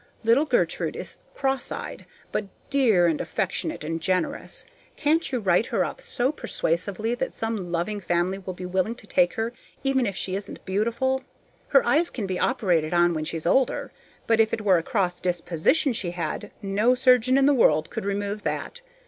Little Gertrude is cross eyed, but dear and affectionate and generous. Can't you write her up so persuasively that some loving family will be willing to take her even if she isn't beautiful? Her eyes can be operated on when she's older; but if it were a cross disposition she had, no surgeon in the world could remove that.